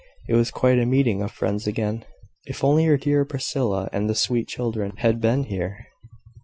It was quite a meeting of friends again. If only her dear Priscilla, and the sweet children, had been here!